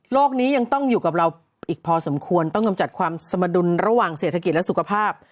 นี้ยังต้องอยู่กับเราอีกพอสมควรต้องกำจัดความสมดุลระหว่างเศรษฐกิจและสุขภาพ